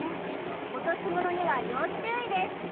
落とし物には要注意です